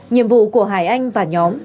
nhiệm vụ của hải anh và nhóm